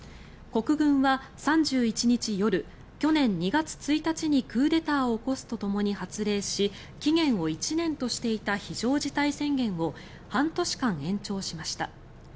国軍は３１日夜、去年２月１日にクーデターを起こすとともに発令し期限を１年としていた非常事態宣言を半年間延長しました。